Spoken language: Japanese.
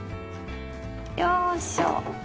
よいしょ。